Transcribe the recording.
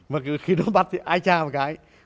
mà khi nó bắt thì ai tra một cái